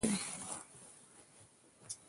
مجاهد د ولس زړونه فتح کوي.